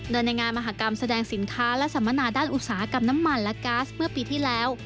โดยในงานมหากรรมแสดงสินค้าและสัมมนาด้านอุตสาหกรรมน้ำมันและก๊าซเมื่อปีที่แล้ว